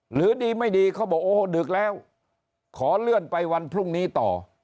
หรือดีไม่ดีเขาบอกโอ้ดึกแล้วขอเลื่อนไปวันพรุ่งนี้ต่อ